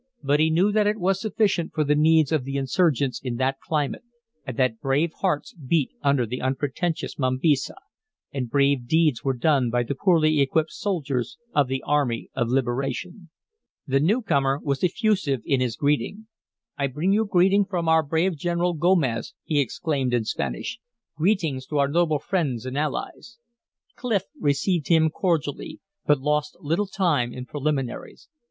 But he knew that it was sufficient for the needs of the insurgents in that climate, and that brave hearts beat under the unpretentious mambisa, and brave deeds were done by the poorly equipped soldiers of the army of liberation. The newcomer was effusive in his greeting. "I bring you greeting from our brave general, Gomez," he exclaimed in Spanish. "Greetings to our noble friends and allies." Clif received him cordially, but lost little time in preliminaries.